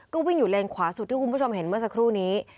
ก็วิ่งอยู่เลนขวาสุดที่คุณผู้ชมเห็นเมื่อสักครู่นี้